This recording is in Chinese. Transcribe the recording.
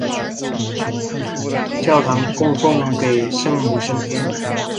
教堂奉献给圣母升天。